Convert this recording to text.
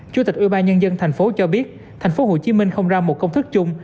chủ tịch ủy ban nhân dân thành phố cho biết thành phố hồ chí minh không ra một công thức chung